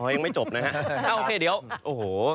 ยังไม่จบนะฮะโอเคเดี๋ยวโอ้โห